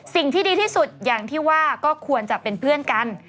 สิ่งที่ดีที่สุดอย่างที่ว่าก็ควรจะเป็นเพื่อนกัน